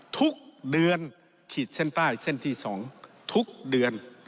ทุกเดือนขีดเส้นใต้เส้นที่๒ทุกเดือน